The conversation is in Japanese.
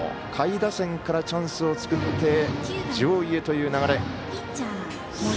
下位打線からチャンスを作って上位へという流れ。